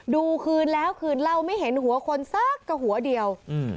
ดูคืนแล้วคืนเล่าไม่เห็นหัวคนสักกระหัวเดียวอืม